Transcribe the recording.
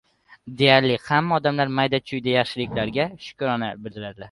Deyarli hamma odamlar mayda-chuyda yaxshiliklarga shukrona bildiradilar